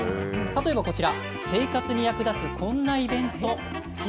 例えばこちら、生活に役立つこんなイベント。